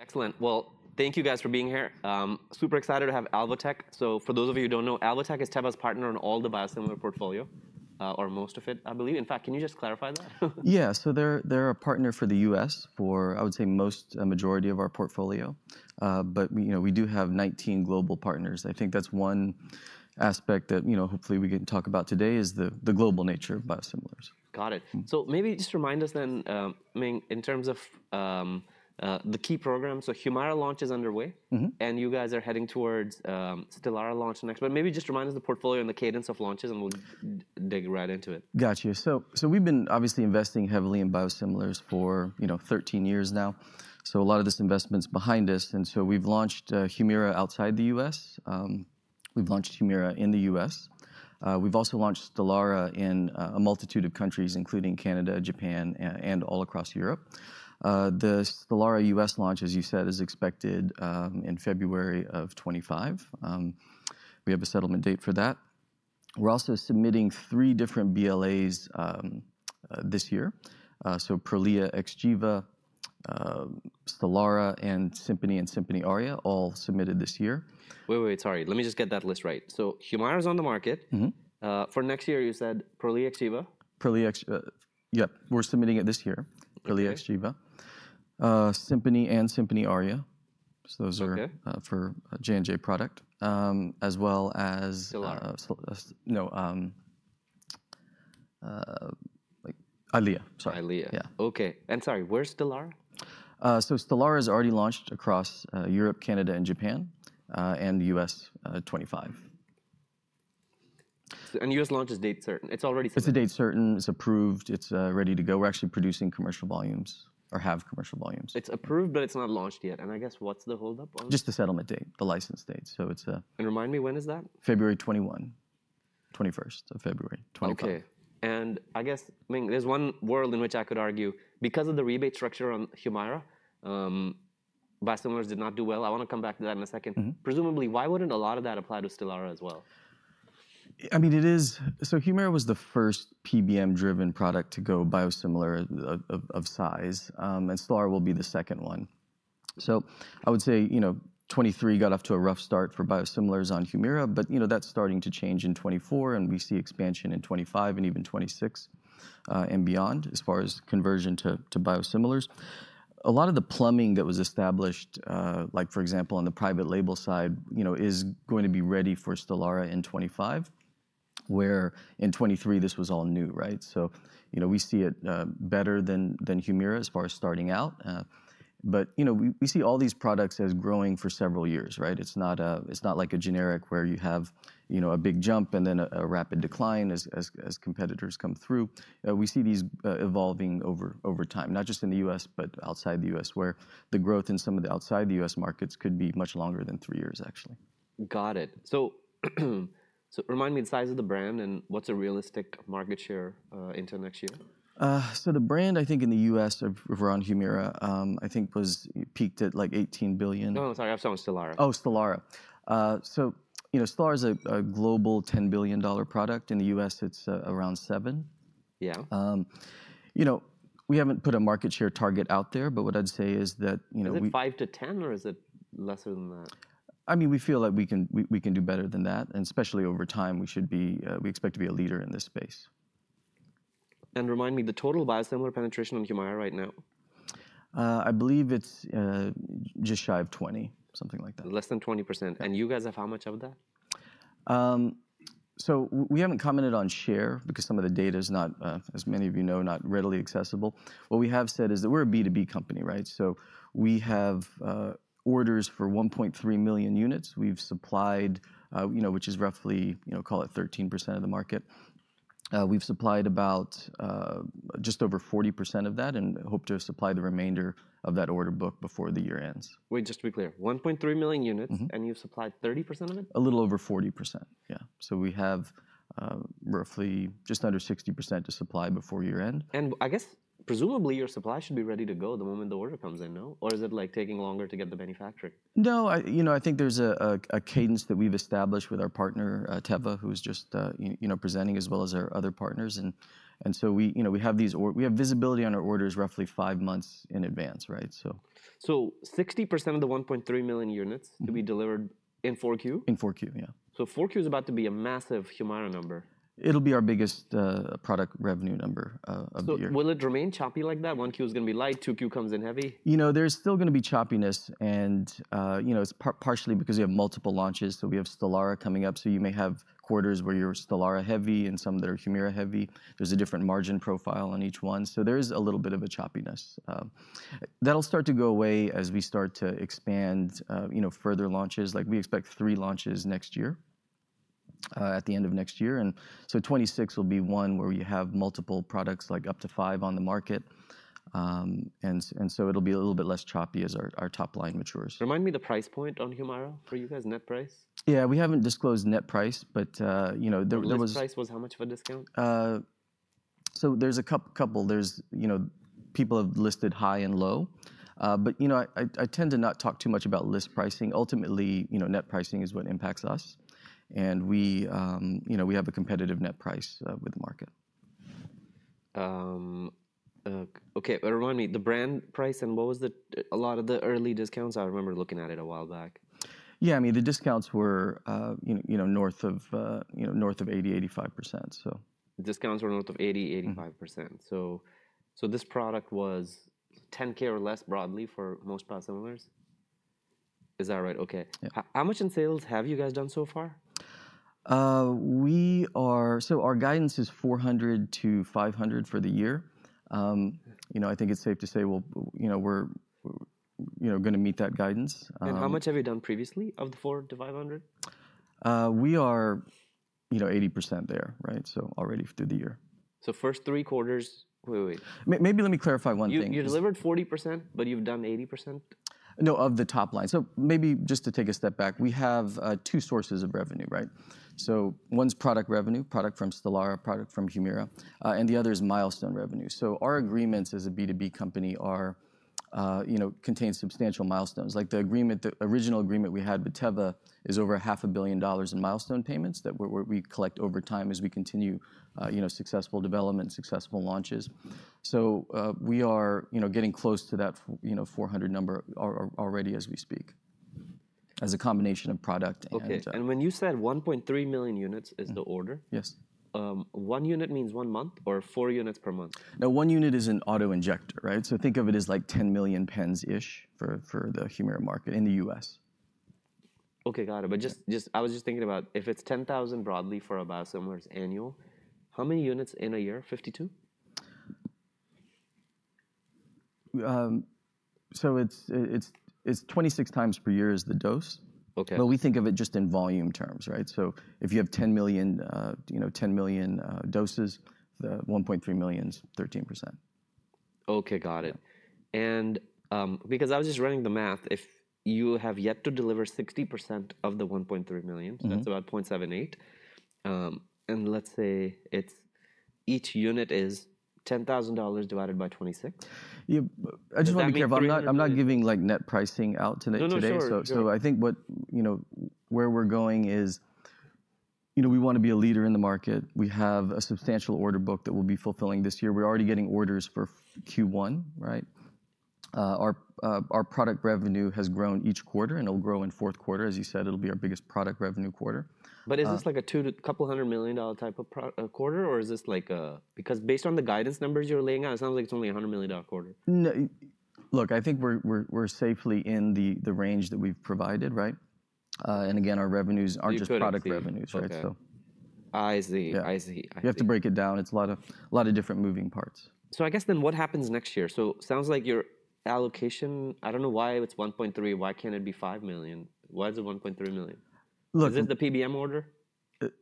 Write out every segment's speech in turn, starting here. Excellent. Thank you guys for being here. Super excited to have Alvotech. For those of you who don't know, Alvotech is Teva's partner on all the biosimilar portfolio, or most of it, I believe. In fact, can you just clarify that? Yeah, so they're a partner for the U.S. for, I would say, the majority of our portfolio. But we do have 19 global partners. I think that's one aspect that hopefully we can talk about today, is the global nature of biosimilars. Got it. So maybe just remind us then, Ming, in terms of the key programs. So Humira launch is underway, and you guys are heading towards Stelara launch next. But maybe just remind us of the portfolio and the cadence of launches, and we'll dig right into it. Gotcha. So we've been obviously investing heavily in biosimilars for 13 years now. So a lot of this investment's behind us. And so we've launched Humira outside the U.S. We've launched Humira in the U.S. We've also launched Stelara in a multitude of countries, including Canada, Japan, and all across Europe. The Stelara U.S. launch, as you said, is expected in February of 2025. We have a settlement date for that. We're also submitting three different BLAs this year. So Prolia, Xgeva, Stelara, and Simponi and Simponi Aria all submitted this year. Wait, wait, sorry. Let me just get that list right. So Humira's on the market. For next year, you said Prolia, Xgeva? Prolia, Xgeva. Yep, we're submitting it this year. Prolia, Xgeva. Simponi and Simponi Aria. So those are for J&J product, as well as. Stelara. No. Eylea, sorry. Eylea. Yeah. Okay. And sorry, where's Stelara? Stelara is already launched across Europe, Canada, and Japan, and U.S. 2025. U.S. launch is date certain? It's already certain? It's a date certain. It's approved. It's ready to go. We're actually producing commercial volumes, or have commercial volumes. It's approved, but it's not launched yet. And I guess what's the holdup on? Just the settlement date, the license date. So it's a. Remind me, when is that? February 2021. 21st of February. Okay, and I guess, Ming, there's one world in which I could argue. Because of the rebate structure on Humira, biosimilars did not do well. I want to come back to that in a second. Presumably, why wouldn't a lot of that apply to Stelara as well? I mean, it is. So Humira was the first PBM-driven product to go biosimilar of size. And Stelara will be the second one. So I would say 2023 got off to a rough start for biosimilars on Humira. But that's starting to change in 2024. And we see expansion in 2025 and even 2026 and beyond, as far as conversion to biosimilars. A lot of the plumbing that was established, like for example, on the private label side, is going to be ready for Stelara in 2025, where in 2023 this was all new, right? So we see it better than Humira as far as starting out. But we see all these products as growing for several years, right? It's not like a generic where you have a big jump and then a rapid decline as competitors come through. We see these evolving over time, not just in the U.S., but outside the U.S., where the growth in some of the outside-the-U.S. markets could be much longer than three years, actually. Got it. So remind me the size of the brand and what's a realistic market share into next year? So the brand, I think in the U.S., if we're on Humira, I think was peaked at like $18 billion. Oh, sorry, I was talking about Stelara. Oh, Stelara. So Stelara is a global $10 billion product. In the U.S., it's around $7 billion. Yeah. We haven't put a market share target out there, but what I'd say is that. Is it $5-$10, or is it lesser than that? I mean, we feel that we can do better than that, and especially over time, we should be, we expect to be a leader in this space. Remind me, the total biosimilar penetration on Humira right now? I believe it's just shy of 20, something like that. Less than 20%, and you guys have how much of that? So we haven't commented on share because some of the data is not, as many of you know, not readily accessible. What we have said is that we're a B2B company, right? So we have orders for 1.3 million units. We've supplied, which is roughly, call it 13% of the market. We've supplied about just over 40% of that and hope to supply the remainder of that order book before the year ends. Wait, just to be clear, 1.3 million units, and you've supplied 30% of it? A little over 40%, yeah. So we have roughly just under 60% to supply before year end. And I guess, presumably, your supply should be ready to go the moment the order comes in, no? Or is it like taking longer to get the manufacturing? No, I think there's a cadence that we've established with our partner, Teva, who is just presenting, as well as our other partners. And so we have visibility on our orders roughly five months in advance, right? So 60% of the 1.3 million units to be delivered in 4Q? In 4Q, yeah. So 4Q is about to be a massive Humira number. It'll be our biggest product revenue number of the year. So will it remain choppy like that? 1Q is going to be light, 2Q comes in heavy? You know, there's still going to be choppiness, and it's partially because we have multiple launches, so we have Stelara coming up, so you may have quarters where you're Stelara heavy and some that are Humira heavy. There's a different margin profile on each one, so there is a little bit of a choppiness. That'll start to go away as we start to expand further launches, like we expect three launches next year, at the end of next year, and so 2026 will be one where you have multiple products, like up to five on the market, and so it'll be a little bit less choppy as our top line matures. Remind me the price point on Humira for you guys, net price? Yeah, we haven't disclosed net price, but there was. What was the price? Was how much of a discount? There's a couple. There's people have listed high and low. I tend to not talk too much about list pricing. Ultimately, net pricing is what impacts us. We have a competitive net price with the market. Okay. But remind me, the brand price and what was the WAC? A lot of the early discounts? I remember looking at it a while back. Yeah, I mean, the discounts were north of 80%, 85%, so. The discounts were north of 80%, 85%. So this product was $10,000 or less broadly for most biosimilars. Is that right? Okay. Yeah. How much in sales have you guys done so far? So our guidance is $400-$500 for the year. I think it's safe to say, well, we're going to meet that guidance. How much have you done previously of the $400-$500? We are 80% there, right? So already through the year. So, first three quarters. Wait, wait. Maybe let me clarify one thing. You delivered 40%, but you've done 80%? No, of the top line. So maybe just to take a step back, we have two sources of revenue, right? So one's product revenue, product from Stelara, product from Humira. And the other is milestone revenue. So our agreements as a B2B company contain substantial milestones. Like the original agreement we had with Teva is over $500 million in milestone payments that we collect over time as we continue successful development, successful launches. So we are getting close to that $400 number already as we speak, as a combination of product and. Okay. And when you said 1.3 million units is the order? Yes. One unit means one month or four units per month? No, one unit is an auto-injector, right? So think of it as like $10 million pens-ish for the Humira market in the U.S. Okay, got it. But I was just thinking about if it's $10,000 broadly for a biosimilars annual, how many units in a year? 52? It's 26 times per year is the dose. Okay. But we think of it just in volume terms, right? So if you have $10 million, 10 million doses, the 1.3 million is 13%. Okay, got it. And because I was just running the math, if you have yet to deliver 60% of the 1.3 million, so that's about $0.78. And let's say each unit is $10,000 divided by 26? I just want to be clear. I'm not giving net pricing out today. No, sure, sure. I think where we're going is we want to be a leader in the market. We have a substantial order book that we'll be fulfilling this year. We're already getting orders for Q1, right? Our product revenue has grown each quarter, and it'll grow in fourth quarter. As you said, it'll be our biggest product revenue quarter. But is this like a $200 million type of quarter, or is this like, because based on the guidance numbers you're laying out, it sounds like it's only a $100 million quarter? Look, I think we're safely in the range that we've provided, right? And again, our revenues are just product revenues, right? I see. I see. You have to break it down. It's a lot of different moving parts. So, I guess, then, what happens next year? So it sounds like your allocation. I don't know why it's $1.3. Why can't it be $5 million? Why is it $1.3 million? Is this the PBM order?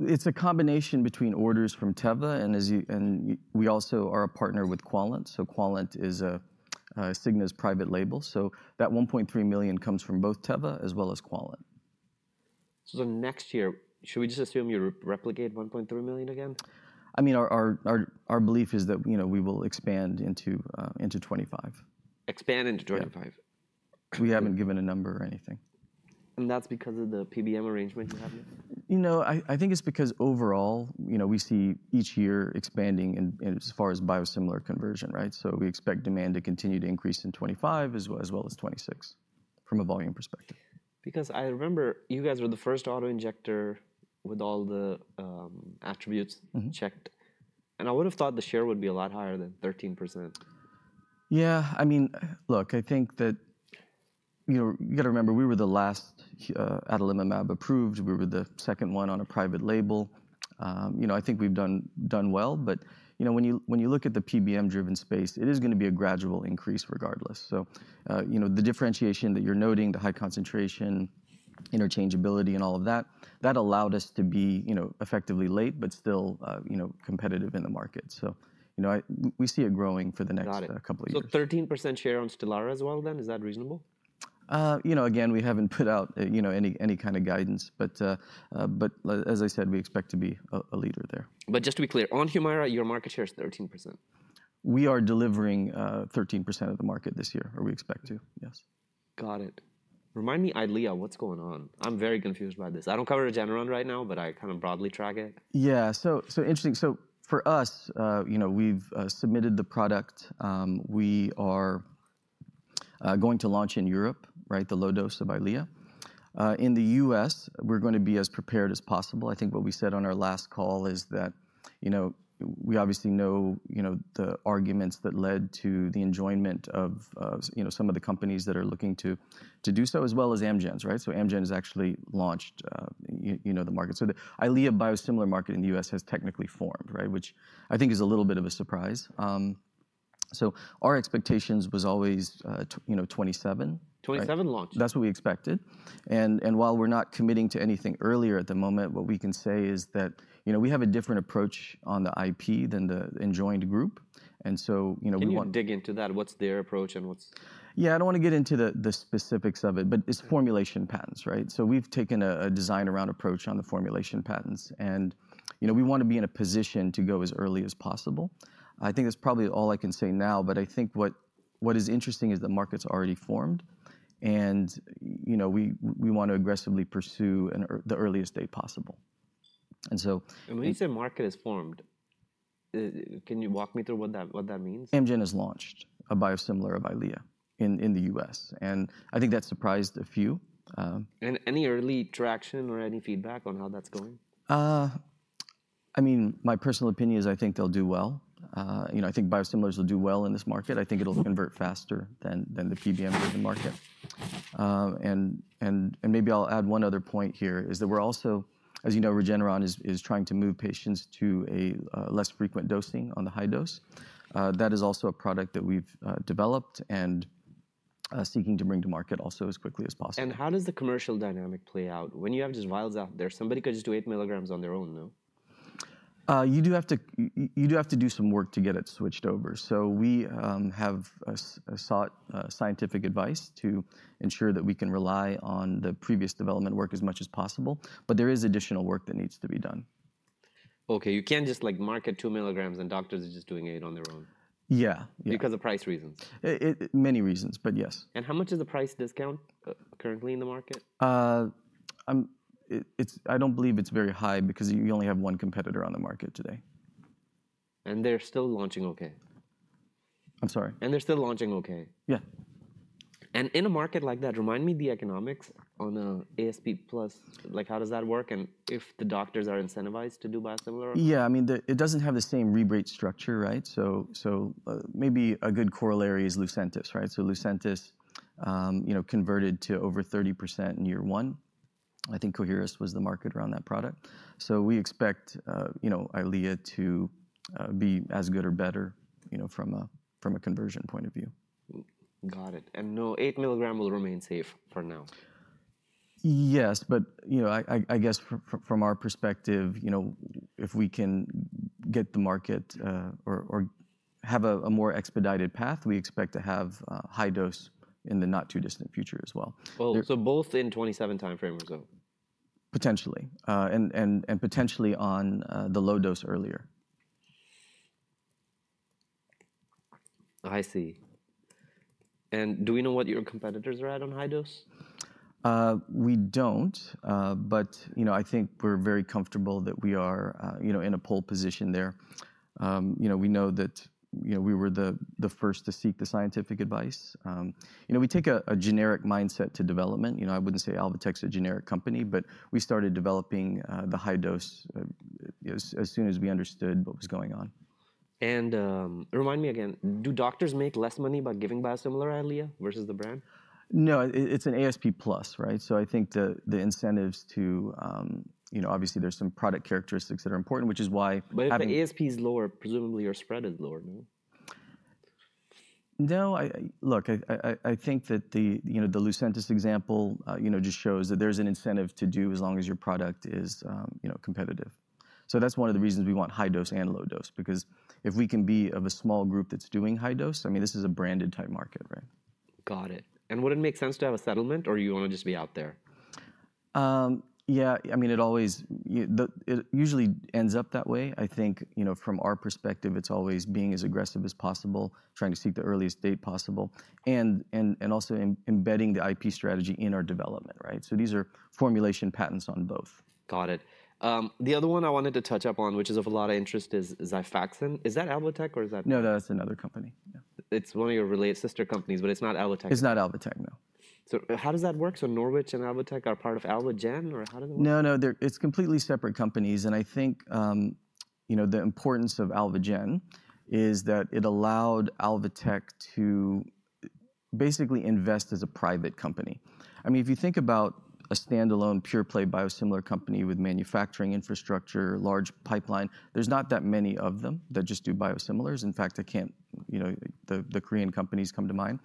It's a combination between orders from Teva. And we also are a partner with Quallent. So Quallent is Cigna's private label. So that $1.3 million comes from both Teva as well as Quallent. Next year, should we just assume you replicate $1.3 million again? I mean, our belief is that we will expand into 2025. Expand into 2025? Yeah. We haven't given a number or anything. That's because of the PBM arrangement you have now? You know, I think it's because overall, we see each year expanding as far as biosimilar conversion, right? So we expect demand to continue to increase in 2025 as well as 2026 from a volume perspective. Because I remember you guys were the first auto-injector with all the attributes checked. And I would have thought the share would be a lot higher than 13%. Yeah. I mean, look, I think that you got to remember, we were the last adalimumab approved. We were the second one on a private label. I think we've done well. But when you look at the PBM-driven space, it is going to be a gradual increase regardless. So the differentiation that you're noting, the high concentration, interchangeability, and all of that, that allowed us to be effectively late, but still competitive in the market. So we see it growing for the next couple of years. Got it. So 13% share on Stelara as well, then? Is that reasonable? You know, again, we haven't put out any kind of guidance. But as I said, we expect to be a leader there. But just to be clear, on Humira, your market share is 13%. We are delivering 13% of the market this year, or we expect to, yes. Got it. Remind me, Eylea, what's going on? I'm very confused by this. I don't cover Regeneron right now, but I kind of broadly track it. Yeah. So interesting. So for us, we've submitted the product. We are going to launch in Europe, right, the low dose of Eylea. In the U.S., we're going to be as prepared as possible. I think what we said on our last call is that we obviously know the arguments that led to the injunction of some of the companies that are looking to do so, as well as Amgen's, right? So Amgen has actually launched the market. So the Eylea biosimilar market in the U.S. has technically formed, right, which I think is a little bit of a surprise. So our expectations was always $27. $27 launch? That's what we expected. And while we're not committing to anything earlier at the moment, what we can say is that we have a different approach on the IP than the enjoined group. And so we want. You can dig into that. What's their approach and what's? Yeah, I don't want to get into the specifics of it. But it's formulation patents, right? So we've taken a design-around approach on the formulation patents. And we want to be in a position to go as early as possible. I think that's probably all I can say now. But I think what is interesting is the market's already formed. And we want to aggressively pursue the earliest date possible. And so. When you say market is formed, can you walk me through what that means? Amgen has launched a biosimilar of Eylea in the U.S., and I think that surprised a few. Any early traction or any feedback on how that's going? I mean, my personal opinion is I think they'll do well. I think biosimilars will do well in this market. I think it'll convert faster than the PBM-driven market, and maybe I'll add one other point here is that we're also, as you know, Regeneron is trying to move patients to a less frequent dosing on the high dose. That is also a product that we've developed and seeking to bring to market also as quickly as possible. How does the commercial dynamic play out? When you have these vials out there, somebody could just do eight milligrams on their own, no? You do have to do some work to get it switched over. So we have sought scientific advice to ensure that we can rely on the previous development work as much as possible. But there is additional work that needs to be done. Okay. You can't just market two milligrams and doctors are just doing it on their own. Yeah. Because of price reasons. Many reasons, but yes. How much is the price discount currently in the market? I don't believe it's very high because you only have one competitor on the market today. They're still launching okay. I'm sorry? They're still launching okay. Yeah. In a market like that, remind me the economics on ASP Plus. Like how does that work? And if the doctors are incentivized to do biosimilar? Yeah. I mean, it doesn't have the same rebate structure, right? So maybe a good corollary is Lucentis, right? So Lucentis converted to over 30% in year one. I think Coherus was the market around that product. So we expect Eylea to be as good or better from a conversion point of view. Got it. No, eight milligram will remain safe for now. Yes. But I guess from our perspective, if we can get the market or have a more expedited path, we expect to have high dose in the not too distant future as well. Well, so both in 2027 timeframe or so? Potentially. And potentially on the low dose earlier. I see. And do we know what your competitors are at on high dose? We don't. But I think we're very comfortable that we are in a pole position there. We know that we were the first to seek the scientific advice. We take a generic mindset to development. I wouldn't say Alvotech's a generic company. But we started developing the high dose as soon as we understood what was going on. Remind me again, do doctors make less money by giving biosimilar Eylea versus the brand? No, it's an ASP Plus, right? So I think the incentives to obviously, there's some product characteristics that are important, which is why. But if the ASP's lower, presumably your spread is lower, no? No. Look, I think that the Lucentis example just shows that there's an incentive to do as long as your product is competitive. So that's one of the reasons we want high dose and low dose. Because if we can be of a small group that's doing high dose, I mean, this is a branded type market, right? Got it. And would it make sense to have a settlement, or you want to just be out there? Yeah. I mean, it usually ends up that way. I think from our perspective, it's always being as aggressive as possible, trying to seek the earliest date possible, and also embedding the IP strategy in our development, right? So these are formulation patents on both. Got it. The other one I wanted to touch up on, which is of a lot of interest, is Xifaxan. Is that Alvotech, or is that? No, that's another company. It's one of your related sister companies, but it's not Alvotech. It's not Alvotech, no. How does that work? Norwich and Alvotech are part of Alvogen, or how does it work? No, no. It's completely separate companies. And I think the importance of Alvogen is that it allowed Alvotech to basically invest as a private company. I mean, if you think about a standalone pure-play biosimilar company with manufacturing infrastructure, large pipeline, there's not that many of them that just do biosimilars. In fact, only the Korean companies come to mind.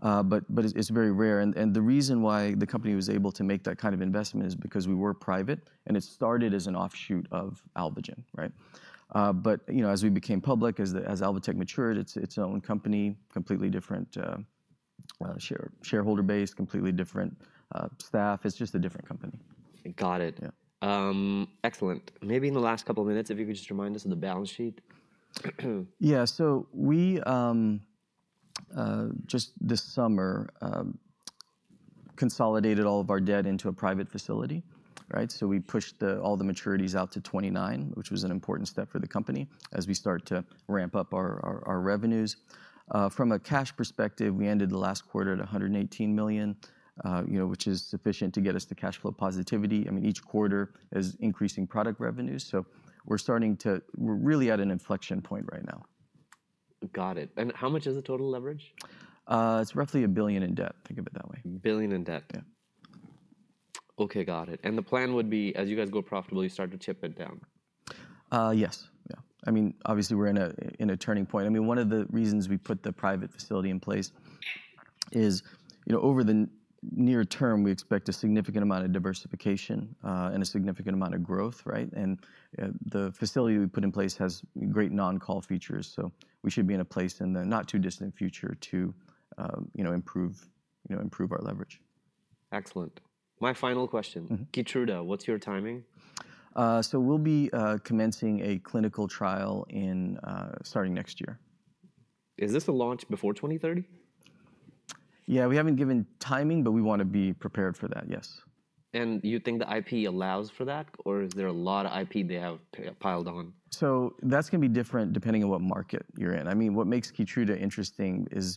But it's very rare. And the reason why the company was able to make that kind of investment is because we were private. And it started as an offshoot of Alvogen, right? But as we became public, as Alvotech matured, it's its own company, completely different shareholder base, completely different staff. It's just a different company. Got it. Excellent. Maybe in the last couple of minutes, if you could just remind us of the balance sheet. Yeah. So we just this summer consolidated all of our debt into a private facility, right? So we pushed all the maturities out to 2029, which was an important step for the company as we start to ramp up our revenues. From a cash perspective, we ended the last quarter at $118 million, which is sufficient to get us to cash flow positivity. I mean, each quarter is increasing product revenues. So we're starting to. We're really at an inflection point right now. Got it. And how much is the total leverage? It's roughly $1 billion in debt. Think of it that way. $1 billion in debt. Yeah. Okay, got it. And the plan would be, as you guys go profitable, you start to tip it down. Yes. Yeah. I mean, obviously, we're in a turning point. I mean, one of the reasons we put the private facility in place is over the near term, we expect a significant amount of diversification and a significant amount of growth, right? And the facility we put in place has great non-call features. So we should be in a place in the not too distant future to improve our leverage. Excellent. My final question. Keytruda, what's your timing? We'll be commencing a clinical trial starting next year. Is this a launch before 2030? Yeah. We haven't given timing, but we want to be prepared for that, yes. You think the IP allows for that, or is there a lot of IP they have piled on? So that's going to be different depending on what market you're in. I mean, what makes Keytruda interesting is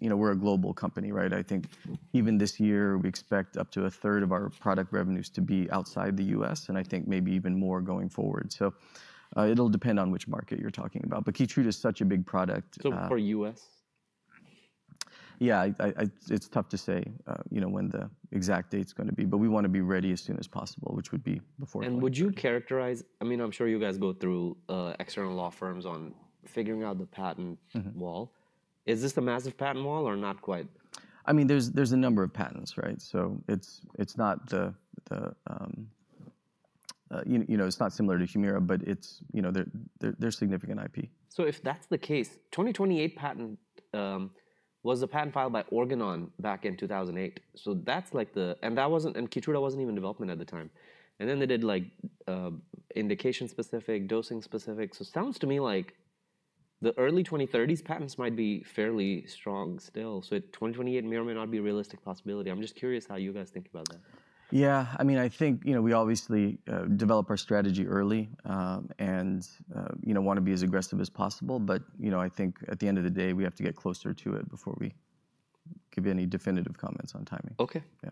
we're a global company, right? I think even this year, we expect up to a third of our product revenues to be outside the U.S. And I think maybe even more going forward. So it'll depend on which market you're talking about. But Keytruda is such a big product. So for U.S.? Yeah. It's tough to say when the exact date's going to be. But we want to be ready as soon as possible, which would be before the market. Would you characterize, I mean, I'm sure you guys go through external law firms on figuring out the patent wall. Is this a massive patent wall or not quite? I mean, there's a number of patents, right? So it's not similar to Humira, but they're significant IP. So if that's the case, 2028 patent was a patent filed by Organon back in 2008. So that's like the end, and Keytruda wasn't even in development at the time. And then they did like indication-specific, dosing-specific. So it sounds to me like the early 2030s patents might be fairly strong still. So 2028 may or may not be a realistic possibility. I'm just curious how you guys think about that. Yeah. I mean, I think we obviously develop our strategy early and want to be as aggressive as possible. But I think at the end of the day, we have to get closer to it before we give any definitive comments on timing. Okay. Yeah.